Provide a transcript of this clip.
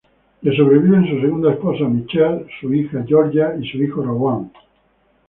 Le sobreviven su segunda esposa Michelle, su hija Georgia y su hijo Rowan.